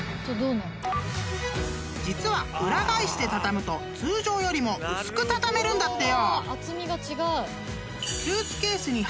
［実は裏返して畳むと通常よりも薄く畳めるんだってよ］